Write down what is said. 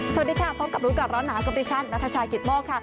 สวัสดีค่ะพบกับรู้ก่อนร้อนหนาวกับดิฉันนัทชายกิตโมกค่ะ